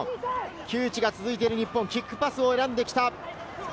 窮地が続いている日本、キックパスを選んできた。